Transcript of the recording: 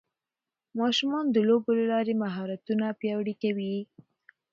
ماشومان د لوبو له لارې مهارتونه پیاوړي کوي